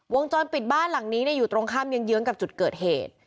วงจรปิดบ้านหลังนี้อยู่ตรงข้ามเยื้องกับจุดเกิดเหตุ